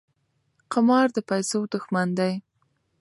قمار د پیسو دښمن دی.